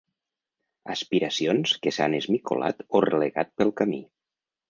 Aspiracions que s’han esmicolat o relegat pel camí.